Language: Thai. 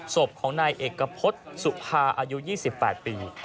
ศพของนายเอกพฤษสุภาอายุ๒๘ปี